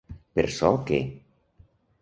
Per ço que.